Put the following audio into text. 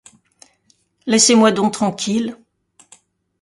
Laissez-moi donc tranquille.